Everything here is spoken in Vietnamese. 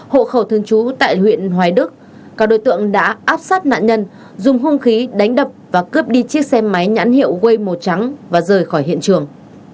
hộ khẩu thương chú tại huyện hoài đức các đối tượng đã áp sát nạn nhân dùng hung khí đánh đập và cướp đi chiếc xe máy nhãn hiệu quây màu trắng và rời khỏi hiện trường